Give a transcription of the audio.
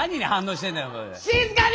静かに！